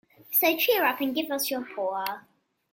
So cheer up, and give us your paw.